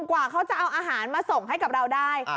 กว่าเขาจะเอาอาหารมาส่งให้กับเราได้